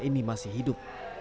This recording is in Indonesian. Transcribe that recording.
kisah ini masih hidup